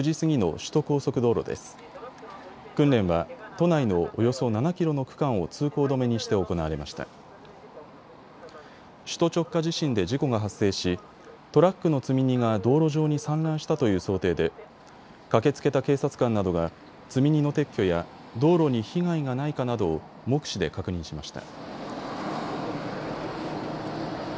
首都直下地震で事故が発生しトラックの積み荷が道路上に散乱したという想定で駆けつけた警察官などが積み荷の撤去や、道路に被害がないかなどを目視で確認しました。